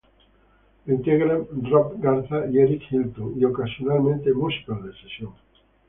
Lo integran Rob Garza y Eric Hilton y ocasionalmente, músicos de sesión.